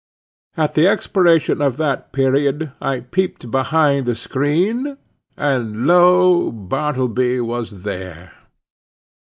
At the expiration of that period, I peeped behind the screen, and lo! Bartleby was there.